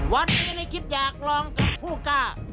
วันนี้เลยคิดอยากลองกับผู้กล้า